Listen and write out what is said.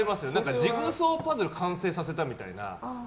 ジグソーパズル完成させたみたいな。